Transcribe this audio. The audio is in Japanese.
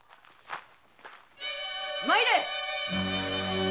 参れ！